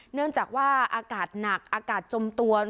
เนื่องจากว่าอากาศหนักอากาศจมตัว